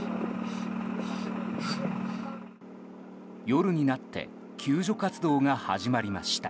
夜になって救助活動が始まりました。